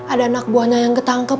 ada anak buahnya yang ketangkep